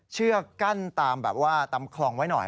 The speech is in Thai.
เชือกกั้นตามคลองไว้หน่อย